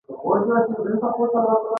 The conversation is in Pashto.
رس د سبا سوغات دی